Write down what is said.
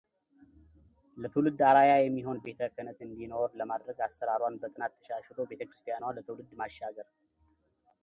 ለትውልድ አርዓያ የሚሆን ቤተ ክህነት እንዲኖር ለማድረግ አሰራሯን በጥናት አሻሽሎ ቤተ ክርስቲያኗን ለትውልድ ማሻገር